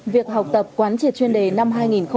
việc học tập quán triệt chuyên đề năm hai nghìn hai mươi